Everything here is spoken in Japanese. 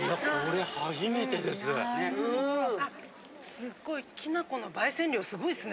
すっごいきな粉の焙煎量すごいっすね。